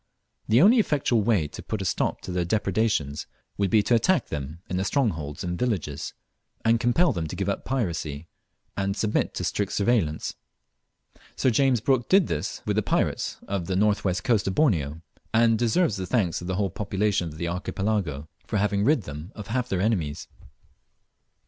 The only effectual way to put a stop to their depredations would be to attack them in their strongholds and villages, and compel them to give up piracy, and submit to strict surveillance. Sir James Brooke did this with the pirates of the north west coast of Borneo, and deserves the thanks of the whole population of the Archipelago for having rid them of half their enemies.